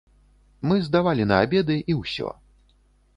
Мы здавалі на абеды, і ўсё.